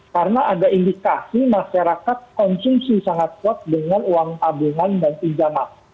karena ada indikasi masyarakat konsumsi sangat kuat dengan uang tabungan dan pinjaman